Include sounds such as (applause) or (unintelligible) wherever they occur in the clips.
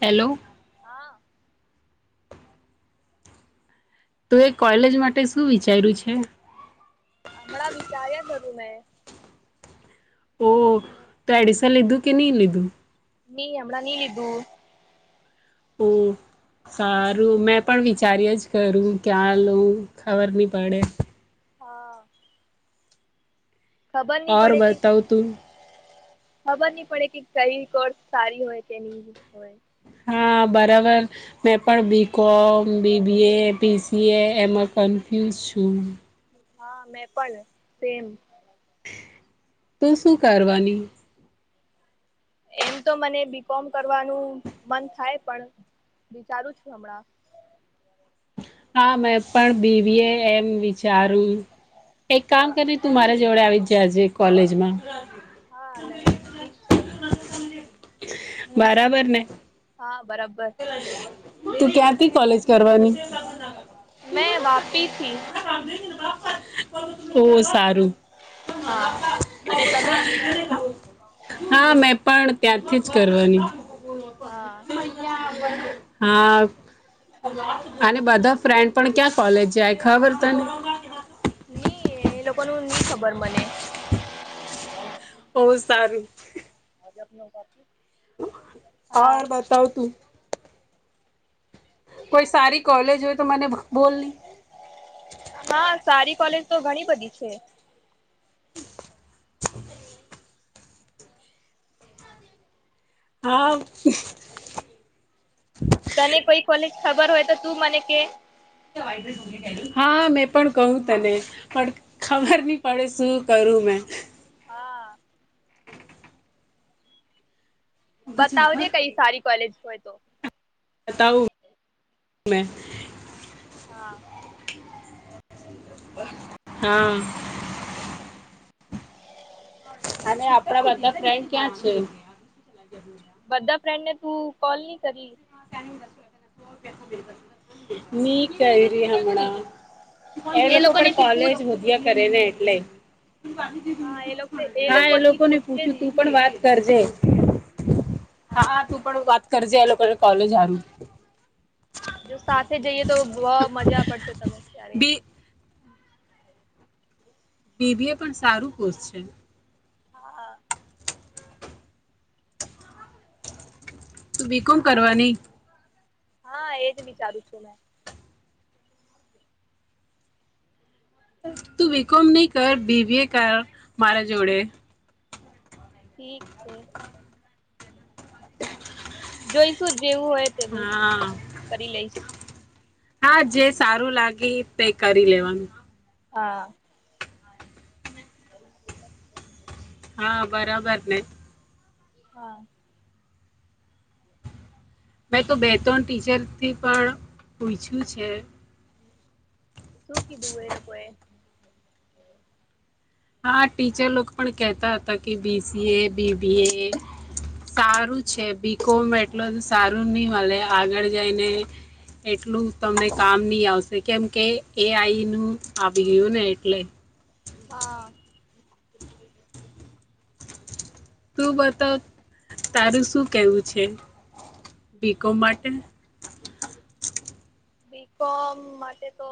Hello. (inaudible) તું, એ college માટે શું વિચાર્યું છે. હમણાં વિચાર્યા નથી. મે (inaudible) ઓ, તો, એડમિશન લીધું કે નહી, લીધું. નઈ હમણાં નઈ લીધું. હ સારું મેં પણ વિચારી્યું જ કરું લૂ ખબર નહી પડે. હા. ખબર નહી પડે કે બતાવ તુંમ. ખબર નહી પડે, કે કઈ, કોર્સ સારી હોય કે નહી હોય. હા, બરાબર મેં પણ બી કોમ બીબીએ પીસીએ એમાં કન્ફ્યુઝ છું. હા મેં પણ સેમ. તો, શું કરવાની. એમ તો, મને બીકોમ કરવાનું મન થાય પણ વિચારું છું હમણાં. હા મેં પણ બી. બી એ. એમ વિચારું એક કામ હા કર તું મારા જોડે આવી જજે કોલેજમાં. હા ઠીક છે બરાબર ને હા. બરાબર તું ક્યાંથી કોલેજ. કરવાની. મેં વાપીથી. ઓ સારું. હા અને તમે હા મેં પણ. ત્યારથી જ કરવાની. બોલો હા પા (unintelligible) હા. અને બધા ફ્રેન્ડ પણ ક્યાં કોલેજ જાય ખબર તને? ની એ લોકોનુ ની ખબર મને. ઓ સારું. (unintelligible) હા, ઔર બતાવ તું. કોઈ સારી કોલેજ હો તો મને બો બોલ ની. હા સારી કોલેજ તો ઘણી બધી છે. (inaudible) હા. તને કોઈ કોલેજ ખબર હોય તો તું મને કે. હ, મેં પણ કહું તને, પણ ખબર નહી પડે શું કરું મેં. હા. બતાવ જે કઈ સારી કોલેજ હોય તો. તાવુ (inaudible) મેં. હા હા. અને આપડા બધા ફ્રેન્ડ ક્યાં છે? બધા ફ્રેન્ડ ને તું કોલ નઇ કરી ની કરીયે હમણાં, એ લોકો પણ લોકોનેથી કાલેજ પૂછ હોધ્યા કરે ને. પ્લે હા એ લોકો હા એ લોકો થી લોકોને પૂછજે પૂછું, તું પણ વાત કરજે. હા તું પણ વાત કરજે આ લોકોને કોલેજ હારુ. જો સાથે જઈએ તો બોઓ મજા પડશે તમે ત્યારે. બી બી બી એ પણ સારું કોર્સ છે. હા. તુ બી કોમ કરવાની? હા એજ વિચારું છું મેં. તું બી કોમ ની કર, બી બી એ કર મારા જોડે. ઠીક છે. જોઈશું જ જેવું હોય તેવું, હા કરી લઈશ. હા જે સારું લાગી તે કરી લેવાનું હા (inaudible) હા બરાબર ને હા મેં તો બે ત્રણ ટીચરથી પણ પૂછ્યું છે શું કીધું એ લોકોએ હા ટીચર પણ કહેતા હતા કે બી સી એ બીબીએ સારું છે બી કોમ એટલ સારું નહી મળ આગળ જઈને એટલું તમને કામ નહી આવશે કેમ કે એ આઈ નું આવી ગયું ને એટલે હા તું બતા તારું શું કેવું છે બીકો માટે બીકોમ માટે તો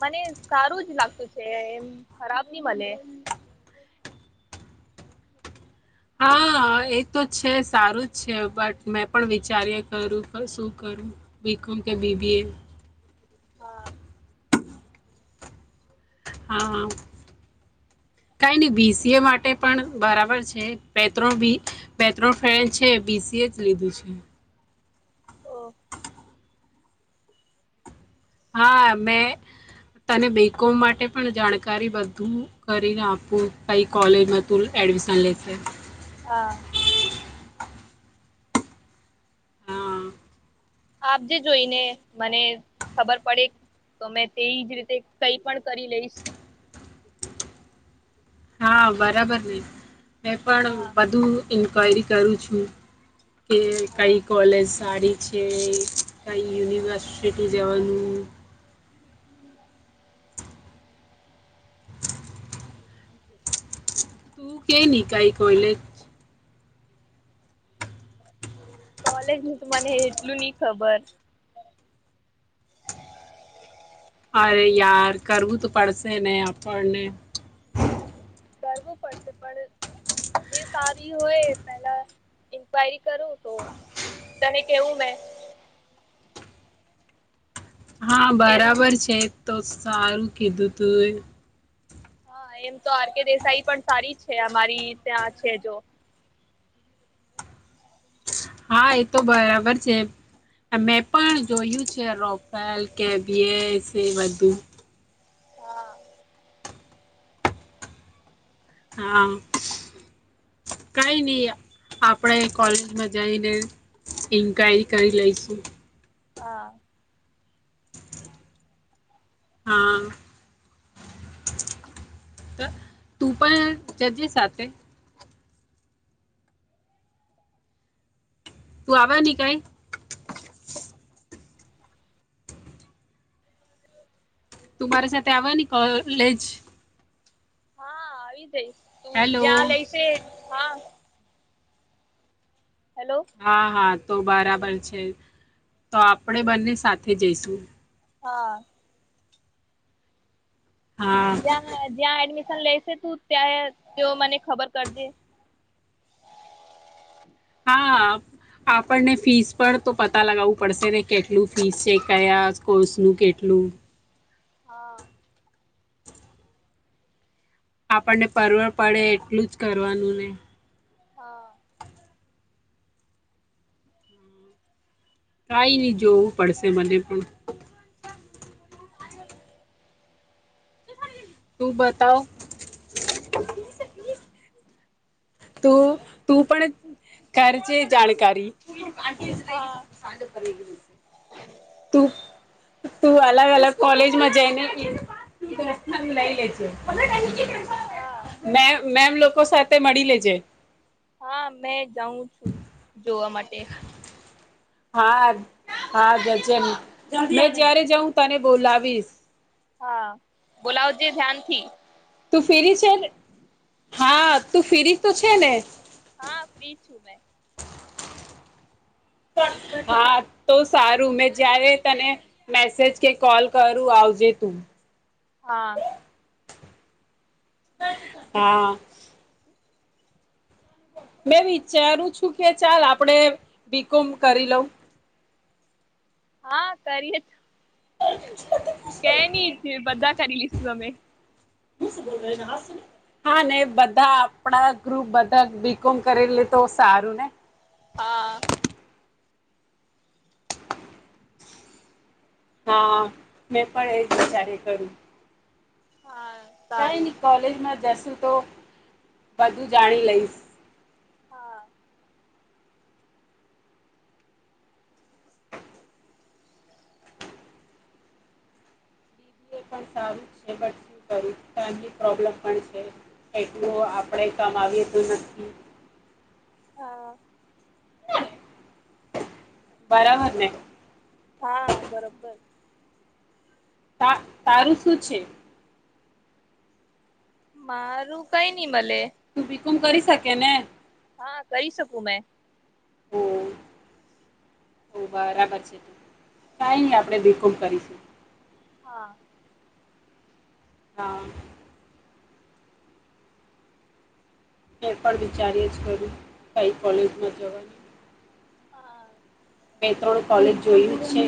મને સારું જ લાગતું છે એમ ખરાબ નહ મને હા એ તો છે સારું જ છે બટ મેં પણ વિચારીએ ખું શું કરું બીું કે બીબીએ હા હા કઈ નહી બીસીએ માટે પણ બરાબર છે પ્ર બી પ્રો ફ છે બીસીએ જ લીધું છે ઓ હા મેં તને બીકોમ માટે પણ જાણકારી બધું કરીને આપું કઈ કોલેજમાં તું એડમિશન લેશે હા હા આપજે જોઈને મને ખબર પડે તો મેં તેજ રીતે કઈ પણ કરી લઈશ હા બરાબર ને હ પણ હા બધું ઇન્ક્વાયરી કરું છું કે હા કઈ કોલેજ સાાડી છે કાંઈ યુનિવર્સું જવાનું તું કે ન કઈ કોઈલે કોલેજ ન તો મને એટલું નહ ખબર અરે યાર કરવું તો પડશે ને આપણને કરવું પડશે પણ જે સારી હોય પેલા ન્ક્વાયરી કરું તો તને કેવું મે હા બરાબર છે તો સારું કીધતો હા એમ તો આર કે દેસાઈ પણ સારી છે અમારી ત્યાં છે જો હા એ તો બરાબર છે મેં પણ જોયું છે રોફેલ કેબએસ એ બુ હા હા કઈ નહી આપણેે કોલેજમાં જઈને ઇન્ક્વાયરી કરી લઈશું હા હા તું પણ જજે સાથે પું આવા ન કઈ તું મારી સાથે આવે ને કોલેજ હા આવી જઈ તો જ હેલો લ એસે હા હેલો હા હા. તો બરાબર છે. તો આપણેે બંને સાથે તે જયશું. હા. હા જ્યા જ્યાં એડમિ શન લેશે તું ત્યાં તેઓ મને ખબર કરજે. હા આપણને ફીસ પર તો પતા લગાવું પડશે ને કેટલું ફીસ છે કયા કોર્સનું કેટલું. હા. આપણને પરવડ પડે એટલું જ કરવાનું ને. હા. કાઈ ની જોવું પડશે મને પણ. તું બતાવ. તું તું પણ કરજે જાણકારી. હા આઠજ લે (unintelligible) તું તું અલગ અલગ કોલેજમાં જઈને લઈ લેજે હા મેમ લોકો સાથે મળી લેજે. (unintelligible) હા, મેં જાઉં છું. જોવા માટે. હા હા ગજન મે જ્યારે જાઉ હું તને બોલાવીશ. હા, બોલાવજે ધ્યાનથી. તું ફીરી છે ને. હા, તું ફીરી તો છે ને? હા, ફ્રી છું મેં. હા, તો સારું મેં જ્યારે તને મેસેજ કે કોલ કરું આવજે તું. હા. હા. મેં વિચારું છું કે ચાલ આપડે બી કોમ કરી લઉં. હા, કરીએ તે ની થિયું બધા કર લિસ તમે. હા, ને બધા આપડા ગ્રુપ બધા બી કોમ કરે લે તો સારું ને. હા. હા, મેં પણ એ જ વિચારે કર્યું. હા કાઈ સારું ની કોલેજમાં જસ ઉ તો બધું જાણી લઈશ. હા. એ પણ સારું છે બટ શું કરું ફેમિલી પ્રોબ્લેમ પણ છે. એટલું આપડે કમાવી એ નથી. હા બરાબરને. હા બરોબર. તા તારું શું છે? મારું કઈ ની મલે. તું ભીકુમ કરી શકે ને. હા કરી શકું મેં. ઓ ઓ બરાબર છે ત કાઈ ન આપણે બિલકુલ કરીશું. હા. હા. એ પણ વિચારી યા કરું કઈ કોલેજ માં જવાનુ હા. બે ત્રણ કોલેજ જોયું છે.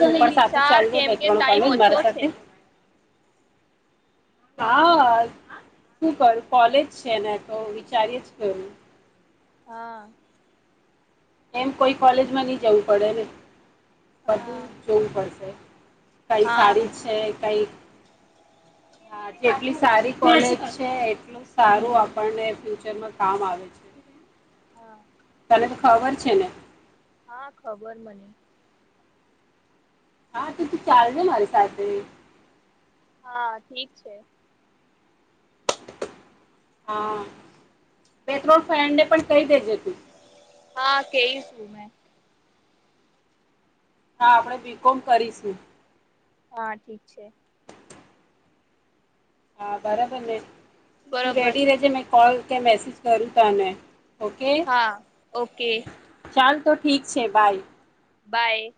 તું પણ સાથે વિચાર ચાલજે કેમ બે કે ત્રણ ટાઈમ કૉલેજ ઓછો મારા છે. સાથે. હા શું કરું કોલેજ છેને તો વિચારીયા જ કરું. હા. એમ કોઈ કોલેજમાં નહી જવું પડે ને. વધુ હા જોવું પડશે. કઈ હા સારી જ છે કઈ. હા જેટલી સારી કોલેજ છે એટલું સારું આપણને ફ્યુચરમાં કામ આવે છે. હા. તને ખબર છે ને. હા ખબર મને. હા તો તું ચાલ ને મારી સાથે. હા ઠીક છે. હા. બે ત્રણ ફ્રેન્ડ ને પણ કઈ દેજે તું. હા કેયશું મેં. હા આપણે બી કોમ કરીશું. હા ઠીક છે. હા બરબર ને. તું બરોબર રેડી રેજે મે કોલ કે મેસેજ કરું તને. ઓકે હા, ઓકે. ચાલ તો ઠીક છે, બાય. બાય.